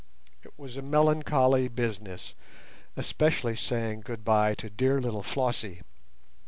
It was a melancholy business, especially saying goodbye to dear little Flossie.